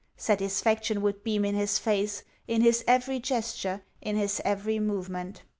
Satisfaction would beam in his face, in his every gesture, in his every movement.